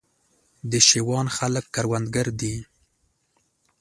د شېوان خلک کروندګر دي